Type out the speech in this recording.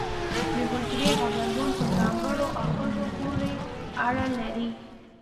د حجرې غبرګون په ځانګړو آخذو پورې اړه لري.